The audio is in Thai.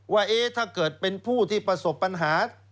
ว่าถ้าเกิดเป็นผู้ที่ประสบปัญหา